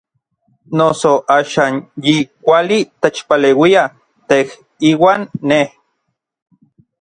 Noso axan yi kuali techpaleuia tej iuan nej.